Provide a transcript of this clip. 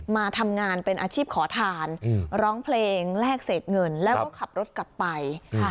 มาทำงานเป็นอาชีพขอทานร้องเพลงแลกเศษเงินแล้วก็ขับรถกลับไป